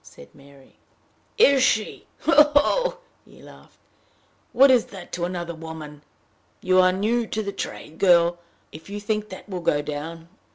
said Mary. "Is she! ho! ho!" he laughed. "What is that to another woman! You are new to the trade, my girl, if you think that will go down!